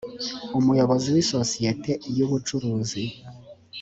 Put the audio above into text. umuyobozi w isosiyete y ubucuruzi